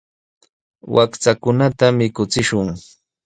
Wakchakunata mikuchishun.